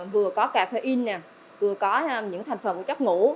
vừa có cà phê in vừa có những thành phần của chất ngủ